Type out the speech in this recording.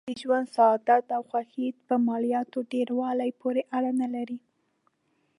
د ژوند سعادت او خوښي په مادیاتو ډېر والي پورې اړه نه لري.